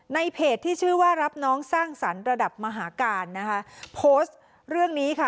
ในเพจที่ชื่อว่ารับน้องสร้างสรรค์ระดับมหาการนะคะโพสต์เรื่องนี้ค่ะ